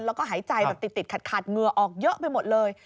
แล้วก็หายใจแบบติดขัดเหงื่อออกเยอะไปหมดเลย